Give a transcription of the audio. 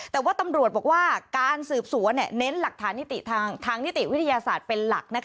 แต่ว่าตำรวจบอกว่าการสืบสวนเน้นหลักฐานนิติทางนิติวิทยาศาสตร์เป็นหลัก